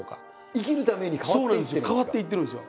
生きるために変わっていってるんですか。